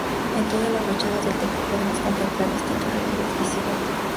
En toda la fachada del templo podemos contemplar distintos relieves visigodos.